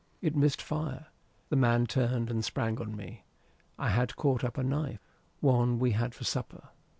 It missed fire. The man turned and sprang on me. I had caught up a knife, one we had for supper.